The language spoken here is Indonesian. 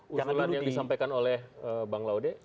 usulan yang disampaikan oleh bang laude